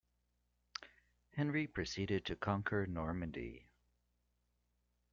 Henry proceeded to conquer Normandy.